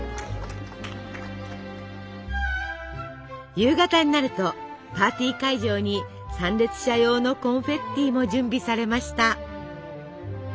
夕方になるとパーティー会場に参列者用のコンフェッティも準備されました。